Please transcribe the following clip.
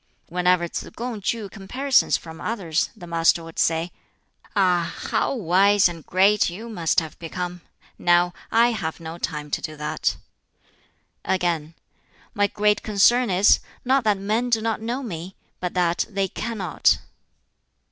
Whenever Tsz kung drew comparisons from others, the Master would say, "Ah, how wise and great you must have become! Now I have no time to do that." Again, "My great concern is, not that men do not know me, but that they cannot."